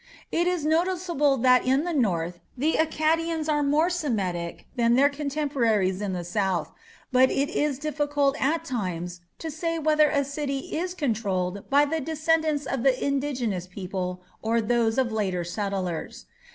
It is noticeable that in the north the Akkadians are more Semitic than their contemporaries in the south, but it is difficult at times to say whether a city is controlled by the descendants of the indigenous people or those of later settlers.